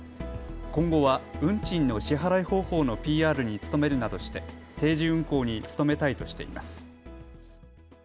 今後は運賃の支払い方法のＰＲに努めるなどして定時運行に努めたいとしています。